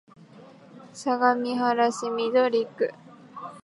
相模原市緑区